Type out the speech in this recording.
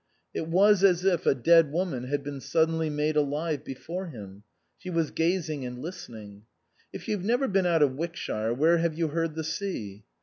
It was as if a dead woman had been suddenly made alive before him. She was gazing and listening. " If you've never been out of Wickshire, where have you heard the sea